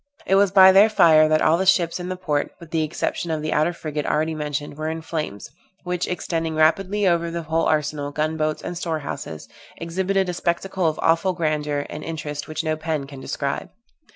It was by their fire that all the ships in the port (with the exception of the outer frigate already mentioned) were in flames, which, extending rapidly over the whole arsenal, gun boats, and storehouses, exhibited a spectacle of awful grandeur and interest which no pen can describe.